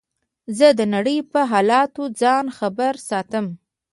زه د نړۍ په حالاتو ځان خبر ساتم.